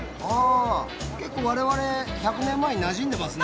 結構、我々１００年前になじんでますね。